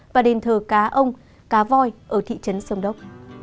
và đền thờ cá ông cá voi ở thị trấn sông đốc